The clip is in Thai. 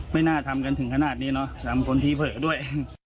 ไม่น่าทำกันถึงขนาดนี้เนอะทำคนที่เผลอด้วย